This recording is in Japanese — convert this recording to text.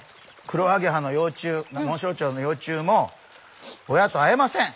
クロアゲハの幼虫モンシロチョウの幼虫も親と会えません！